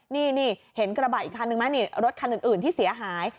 นี่เห็นกระบะอีกคันนึงไหมนี่รถคันอื่นที่เสียหาย